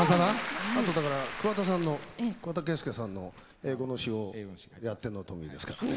あとだから桑田佳祐さんの英語の詞をやってるのトミーですからね。